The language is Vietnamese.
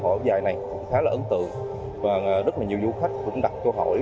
lễ hội áo dài này cũng khá là ấn tượng và rất nhiều du khách cũng đặt cơ hội